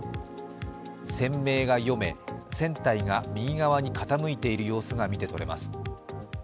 船名が読め、船体が右側に傾いている様子が見てとれます。